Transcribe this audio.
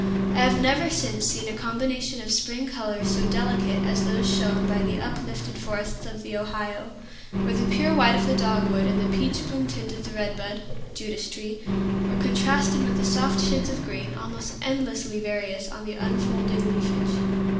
I have never since seen a combination of spring colors so delicate as those shown by the uplifted forests of the Ohio, where the pure white of the dogwood and the peach bloom tint of the red bud (Judas tree) were contrasted with soft shades of green, almost endlessly various, on the unfolding leafage.